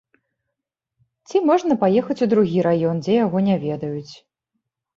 Ці можа паехаць у другі раён, дзе яго не ведаюць.